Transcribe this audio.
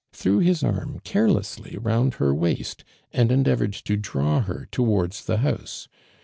tbi'cw hix arm carelessly round her waist. and endeavored to diaw Ik i' towards tin house.